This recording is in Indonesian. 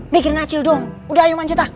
mikirin aja cil dong udah ayo manjot ah